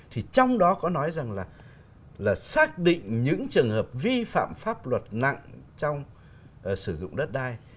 thì trong đó có nói rằng là xác định những trường hợp vi phạm pháp luật nặng trong sử dụng đất đai